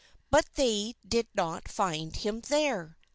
But they didn't find him there.